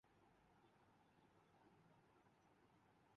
یوں مہم ایک سال رہی۔